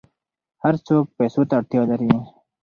هر څوک پیسو ته اړتیا لري.